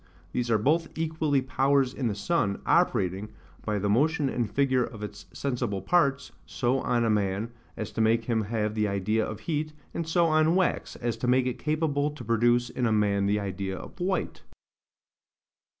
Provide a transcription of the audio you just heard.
These are both equally powers in the sun, operating, by the motion and figure of its sensible parts, so on a man, as to make him have the idea of heat; and so on wax, as to make it capable to produce in a man the idea of white.